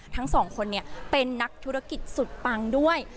ทั้งสองคนเป็นนักธุรกิจสุดปังด้วย